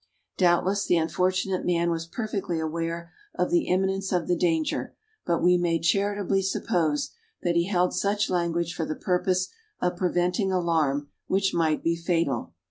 Doubtless the unfortunate man was perfectly aware of the imminence of the danger; but we may charitably suppose, that he held such language for the purpose of preventing alarm which might be fatal.